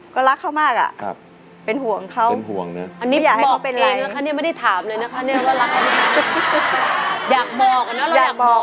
อยากบอกนะเราอยากบอก